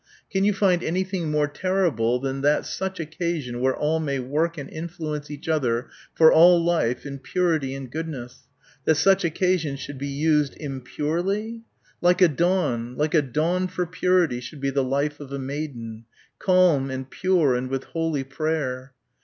Can you find anything more terrible than that such occasion where all may work and influence each other for all life in purity and goodness that such occasion should be used impurely? Like a dawn, like a dawn for purity should be the life of a maiden. Calm, and pure and with holy prayer."